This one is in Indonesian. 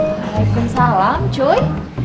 assalamualaikum salam cuy